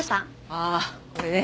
ああこれね。